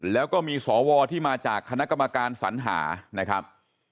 แล้วก็มีสวที่มาจากคณะกรรมการสัญหานะครับ